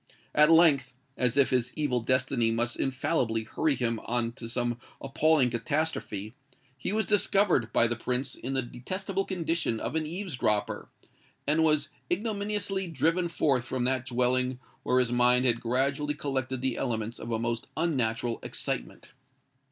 At length—as if his evil destiny must infallibly hurry him on to some appalling catastrophe—he was discovered by the Prince in the detestable condition of an eaves dropper, and was ignominiously driven forth from that dwelling where his mind had gradually collected the elements of a most unnatural excitement.